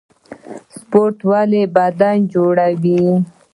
سپورټ ولې بدن جوړوي؟